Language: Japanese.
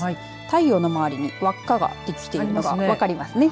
太陽の周りに輪っかができているのが分かりますね。